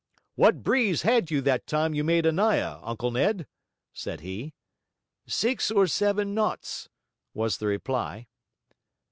'What breeze had you that time you made Anaa, Uncle Ned?' said he. 'Six or seven knots,' was the reply.